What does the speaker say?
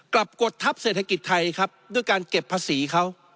กดทัพเศรษฐกิจไทยครับด้วยการเก็บภาษีเขา